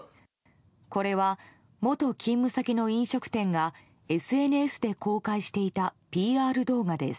これは、元勤務先の飲食店がＳＮＳで公開していたＰＲ動画です。